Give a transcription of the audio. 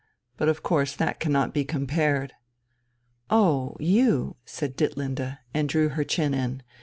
But of course that cannot be compared ..." "Oh, you!" said Ditlinde, and drew her chin in.